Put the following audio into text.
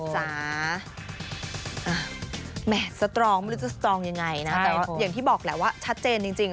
แต่ว่าอย่างที่บอกแหละว่าชัดเจนจริง